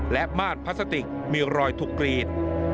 และม่านพลาสติกมีรอยถูกกรีด